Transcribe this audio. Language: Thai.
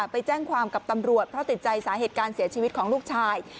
ไปแจ้งความกับตำรวจเพราะติดใจสาเหตุการเสียชีวิตของลูกชาย